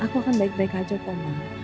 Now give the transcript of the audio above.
aku akan baik baik aja pak mama